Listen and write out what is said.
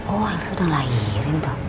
oh elsa udah lahirin tuh